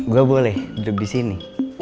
gue boleh hidup di sini